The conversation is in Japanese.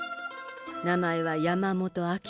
名前は山本明。